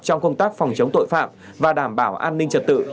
trong công tác phòng chống tội phạm và đảm bảo an ninh trật tự